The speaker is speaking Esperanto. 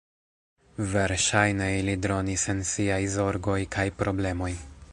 Verŝajne ili dronis en siaj zorgoj kaj problemoj.